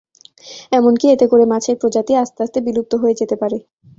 এমনকি এতে করে মাছের প্রজাতি আস্তে আস্তে বিলুপ্ত হয়ে যেতে পারে।